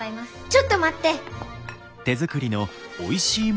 ちょっと待って！